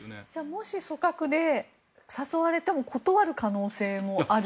もし組閣で誘われても断る可能性もある？